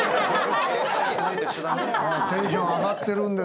テンション上がってるんですけど